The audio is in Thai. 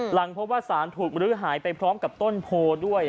หลังพบว่าสารถูกมรื้อหายไปพร้อมกับต้นโพด้วย